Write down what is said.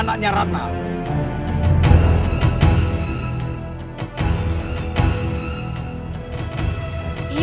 sesama dia kan masih magek